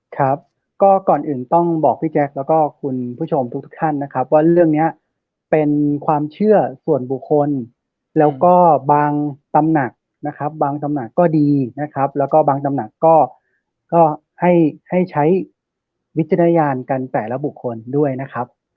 ครับก็ก่อนอื่นต้องบอกพี่แจ๊คแล้วก็คุณผู้ชมทุกท่านนะครับว่าเรื่องนี้เป็นความเชื่อส่วนบุคคลแล้วก็บางตำหนักนะครับบางตำหนักก็ดีนะครับแล้วก็บางตำหนักก็ให้ใช้วิจารณญาณกันแต่ละบุคคลด้วยนะครับ